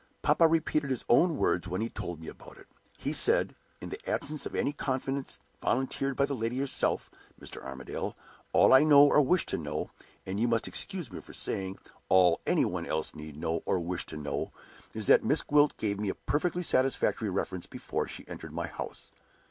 "Papa repeated his own words when he told me about it. He said, 'In the absence of any confidence volunteered by the lady herself, Mr. Armadale, all I know or wish to know and you must excuse me for saying, all any one else need know or wish to know is that Miss Gwilt gave me a perfectly satisfactory reference before she entered my house.